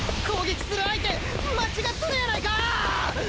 攻撃する相手間違っとるやないかー！！